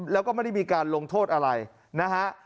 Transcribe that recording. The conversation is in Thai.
แล้วก็ไม่ได้มีการลงโทษอะไรนะฮะ